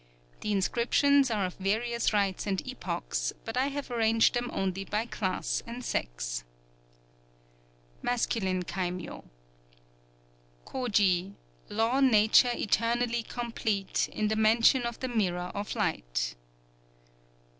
The inscriptions are of various rites and epochs; but I have arranged them only by class and sex: [MASCULINE KAIMYŌ.] _Koji, Law Nature Eternally Complete, in the Mansion of the Mirror of Light.